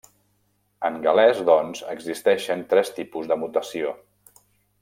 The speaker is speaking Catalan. En gal·lès, doncs, existeixen tres tipus de mutació.